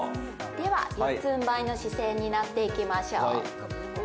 四つんばいの姿勢になっていきましょう。